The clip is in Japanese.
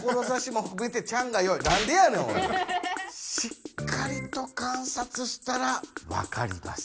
しっかりとかんさつしたらわかります。